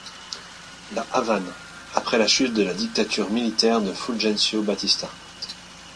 La Havane, après la chute de la dictature militaire de Fulgencio Batista.